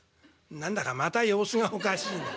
「何だかまた様子がおかしいな。